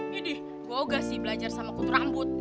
gini gue mau gak sih belajar sama kutu rambut